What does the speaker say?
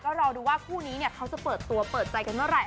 ก็รอดูว่าคู่นี้เนี่ยเขาจะเปิดตัวเปิดใจกันเมื่อไห